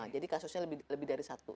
kasusnya lebih dari satu